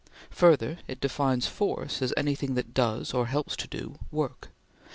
Further, it defines force as anything that does, or helps to do work.